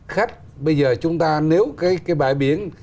khách bây giờ chúng ta nếu cái bãi biển